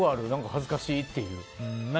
恥ずかしいっていう。